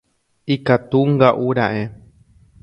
Ikatunga'ura'e